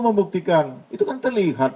membuktikan itu kan terlihat